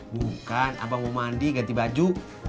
bukan abang mau mandi ganti baju